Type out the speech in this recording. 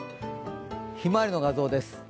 ひまわりの画像です。